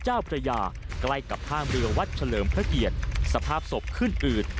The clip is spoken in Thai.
เจ้าพระยาใกล้กับท่ามเรือวัดเฉลิมพระเกียรติสภาพศพขึ้นอืด